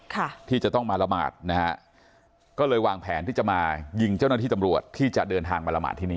ค่ะที่จะต้องมาละหมาดนะฮะก็เลยวางแผนที่จะมายิงเจ้าหน้าที่ตำรวจที่จะเดินทางมาละหมาดที่นี่